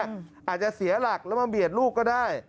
อาจจะเสียหลักแล้วมาเบียดลูกก็ได้